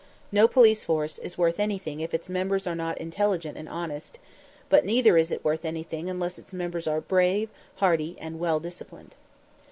No police force is worth anything if its members are not intelligent and honest; but neither is it worth anything unless its members are brave, hardy, and well disciplined.